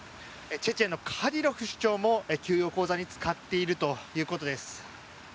チェチェンのカディロフ首長も給与口座に使っているということです。